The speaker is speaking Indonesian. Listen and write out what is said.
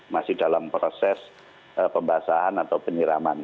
masih dalam proses pembasahan atau penyiraman